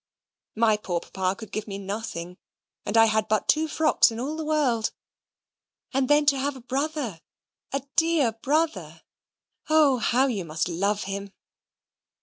My poor papa could give me nothing, and I had but two frocks in all the world! And then, to have a brother, a dear brother! Oh, how you must love him!"